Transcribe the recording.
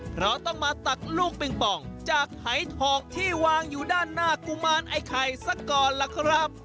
เพราะต้องมาตักลูกปิงปองจากหายทองที่วางอยู่ด้านหน้ากุมารไอ้ไข่สักก่อนล่ะครับ